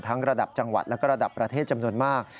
ระดับจังหวัดและระดับประเทศจำนวนมาก